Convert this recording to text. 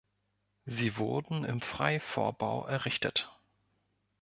Sie wurden im Freivorbau errichtet.